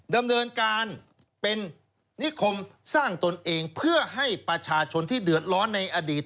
ดำเนินการเป็นนิคมสร้างตนเองเพื่อให้ประชาชนที่เดือดร้อนในอดีต